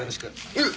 えっ！？